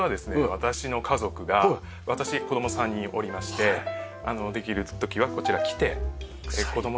私の家族が私子供３人おりましてできる時はこちら来て。